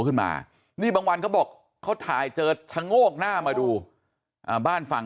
ขึ้นมานี่บางวันเขาบอกเขาถ่ายเจอชะโงกหน้ามาดูบ้านฝั่ง